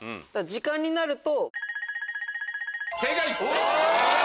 時間になると。